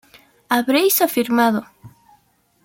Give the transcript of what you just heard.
habréis afirmado